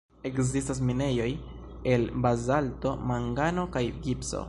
Ekzistas minejoj el bazalto, mangano kaj gipso.